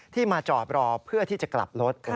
มาจอดรอเพื่อที่จะกลับรถ